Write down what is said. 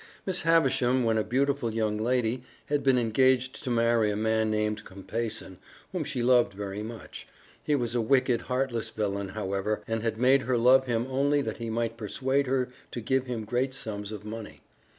Miss Havisham, when a beautiful young lady, had been engaged to marry a man named Compeyson, whom she loved very much. He was a wicked, heartless villain, however, and had made her love him only that he might persuade her to give him great sums of money.